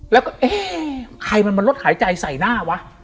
แล้วก็เอ๊ะใครมันมาลดหายใจใส่หน้าวะ